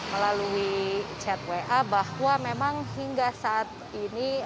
melalui chat wa bahwa memang hingga saat ini